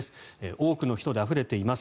多くの人であふれています。